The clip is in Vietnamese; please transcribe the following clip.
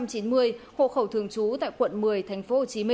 hộ khẩu thường trú tại quận một mươi tp hcm